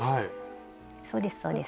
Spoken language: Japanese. そうですそうです。